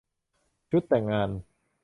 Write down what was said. ชุดแต่งงาน